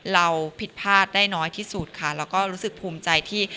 เราผิดพลาดได้น้อยที่สุดค่ะแล้วก็รู้สึกภูมิใจที่